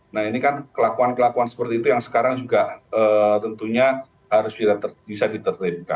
nah ini kan kelakuan kelakuan seperti itu yang sekarang juga tentunya harus bisa ditertipkan